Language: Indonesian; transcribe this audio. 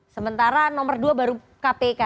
sementara nomor dua baru kpk